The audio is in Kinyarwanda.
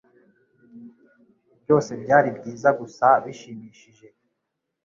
Byose byari byiza gusa bishimishije